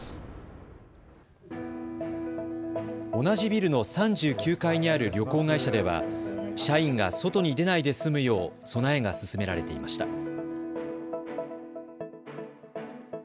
同じビルの３９階にある旅行会社では社員が外に出ないで済むよう備えが進められていました。